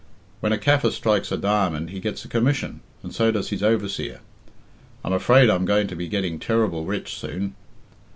When a Kaffir strikes a diamond, he gets a commission, and so does his overseer. I'm afraid I'm going to be getting terrible rich soon.